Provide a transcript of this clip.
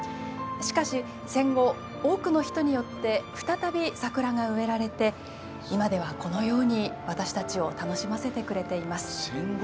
しかし、戦後多くの人によって再び桜が植えられて今では、このように私たちを楽しませてくれています。